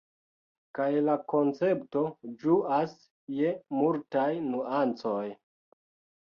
Kaj la koncepto ĝuas je multaj nuancoj.